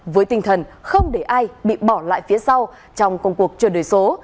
với tinh thần không để ai bị bỏ lại phía sau trong công cuộc chuyển đổi số